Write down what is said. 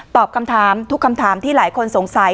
ตอบคำถามทุกคำถามที่หลายคนสงสัย